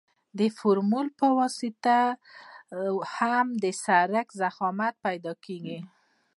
د فورمول په واسطه هم د سرک ضخامت پیدا کیږي